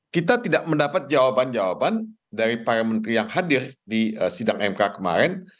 kita tidak mendapat jawaban jawaban dari para menteri yang hadir di sidang mk kemarin